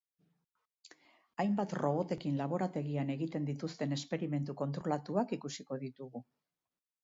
Hainbat robotekin laborategian egiten dituzten esperimentu kontrolatuak ikusiko ditugu.